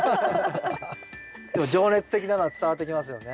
でも情熱的なのは伝わってきますよね。